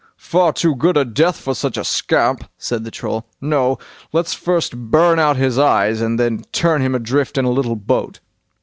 "Far too good a death for such a scamp", said the Troll. "No! let's first burn out his eyes, and then turn him adrift in a little boat."